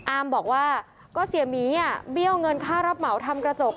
อามบอกว่าก็เสียหมีเบี้ยวเงินค่ารับเหมาทำกระจก